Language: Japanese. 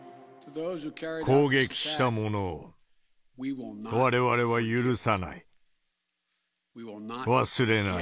攻撃した者をわれわれは許さない。